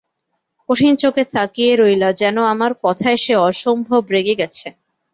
কঠিন চোখে তাকিয়ে রইলা যেন আমার কথায় সে অসম্ভব রেগে গেছে।